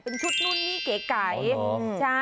เป็นชุดนู่นนี่เก๋